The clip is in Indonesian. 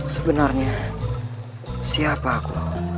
sebenarnya siapa aku